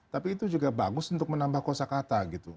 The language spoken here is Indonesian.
tapi itu juga bagus untuk menambah kosa kata gitu